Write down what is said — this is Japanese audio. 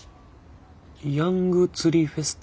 ヤング釣りフェスタ？